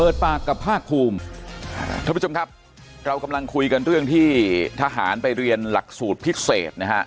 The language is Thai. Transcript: ปากกับภาคภูมิท่านผู้ชมครับเรากำลังคุยกันเรื่องที่ทหารไปเรียนหลักสูตรพิเศษนะฮะ